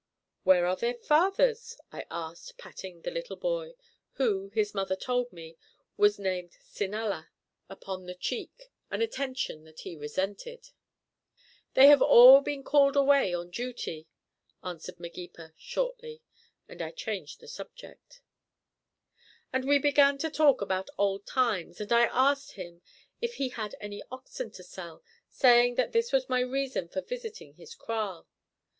"Where are their fathers?" I asked, patting the little boy (who, his mother told me, was named Sinala) upon the cheek, an attention that he resented. "They have been called away on duty," answered Magepa shortly; and I changed the subject. Then we began to talk about old times, and I asked him if he had any oxen to sell, saying that this was my reason for visiting his kraal.